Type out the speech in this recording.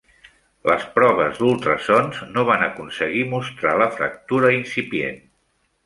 Les proves d'ultrasons no van aconseguir mostrar la fractura incipient.